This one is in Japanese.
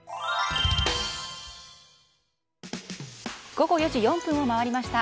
午後４時４分を回りました。